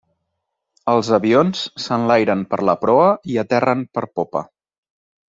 Els avions s'enlairen per la proa i aterren per popa.